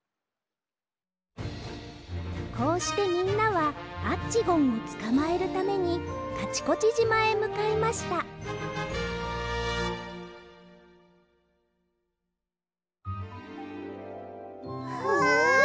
こうしてみんなはアッチゴンをつかまえるためにカチコチじまへむかいましたわ！